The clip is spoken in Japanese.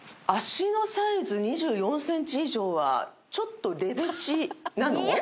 足のサイズ２４ｃｍ以上はちょっとレベチなの？